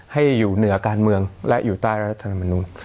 ให้อยู่เหนือการเมืองและอยู่ใต้รัฐธรรมนุน